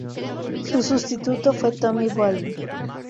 Su sustituto fue Tommy Bolin.